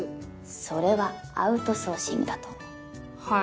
それはアウトソーシングだと思うはい？